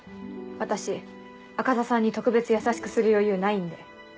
私赤座さんに特別優しくする余裕ないんで。